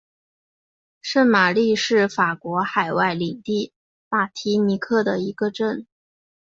圣玛丽是法国海外领地马提尼克的一个镇。